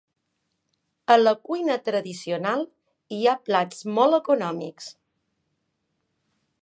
A la cuina tradicional hi ha plats molt econòmics.